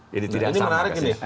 jadi tidak sama